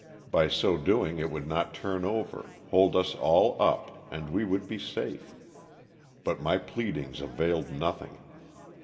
By so doing it would not turn over, hold us all up and we would be safe, but my pleadings availed nothing.